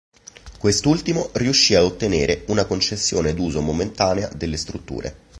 Quest'ultimo riuscì a ottenere una concessione d'uso momentanea delle strutture.